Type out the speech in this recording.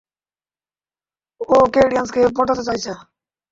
ও কেইডেন্সকে পটাতে চাইছে।